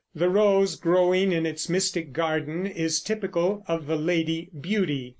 The Rose growing in its mystic garden is typical of the lady Beauty.